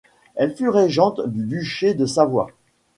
Elle fut régente du duché de Savoie.